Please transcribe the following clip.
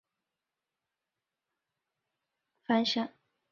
事件在中国引起强烈反响。